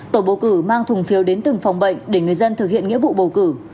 tổ bầu cử mang thùng phiêu đến từng phòng bệnh để người dân thực hiện nghĩa vụ bầu cử